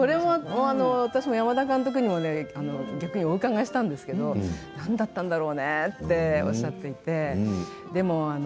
山田監督に逆にお伺いしたんですけれど何だったんだろうねっておっしゃっていて。